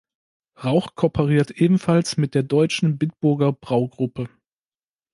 Rauch kooperiert ebenfalls mit der deutschen Bitburger-Braugruppe.